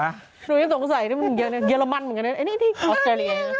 หนูยังสงสัยที่มันเยอะนะเรมันเหมือนกันนะอันนี้ที่ออสเตรเลีย